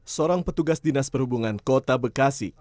seorang petugas dinas perhubungan kota bekasi